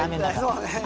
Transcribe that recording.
そうね。